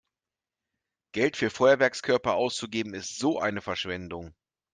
Geld für Feuerwerkskörper auszugeben ist so eine Verschwendung!